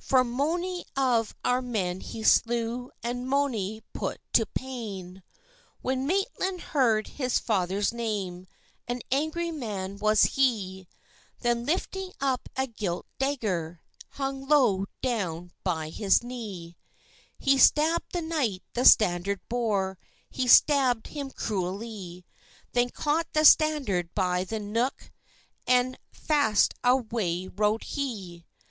For mony of our men he slew, And mony put to pain." When Maitland heard his father's name, An angry man was he; Then, lifting up a gilt dagger, Hung low down by his knee, He stabb'd the knight the standard bore, He stabb'd him cruellie; Then caught the standard by the neuk, And fast away rode he.